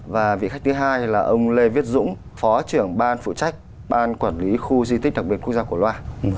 và vị khách thứ hai là ông lê viết dũng phó trưởng ban phụ trách ban quản lý khu di tích đặc biệt quốc gia cổ loa